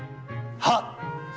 はっ。